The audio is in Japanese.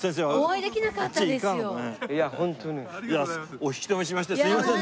お引き留めしましてすいません。